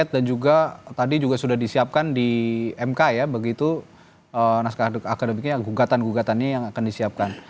dan juga tadi juga sudah disiapkan di mk ya begitu naskah akademiknya yang gugatan gugatannya yang akan disiapkan